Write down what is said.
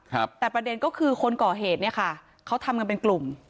ครับแต่ประเด็นก็คือคนก่อเหตุเนี่ยค่ะเขาทำกันเป็นกลุ่ม